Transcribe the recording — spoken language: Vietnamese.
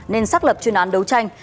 nên xác lập chuyên án đấu tranh